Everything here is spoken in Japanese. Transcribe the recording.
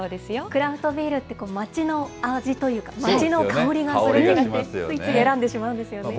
クラフトビールって、町の味というか、町の香りがする気がして、ついつい選んでしまうんですよね。